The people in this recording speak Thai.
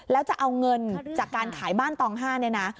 แล้วจะเอาเงินจากการขายบ้านตองห้า